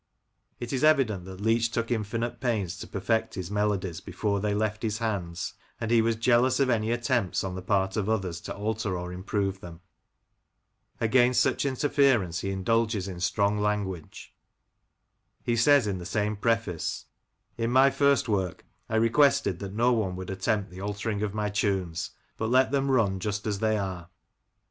It is evident that Leach took infinite pains to perfect his melodies before they left his hands, and he was jealous of any attempts on the part of others to alter or improve them. Against such interference he indulges in strong language. He says in the same preface :—•* In my first work I requested that no one would attempt the altering of my tunes, but let them run just as they are.